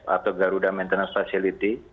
atau garuda maintenance facility